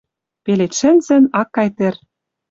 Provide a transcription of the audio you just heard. Пелед шӹнзӹн, ак кай тӹр.